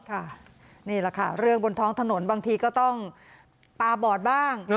นี่แหละค่ะเรื่องบนท้องถนนบางทีก็ต้องตาบอดบ้าง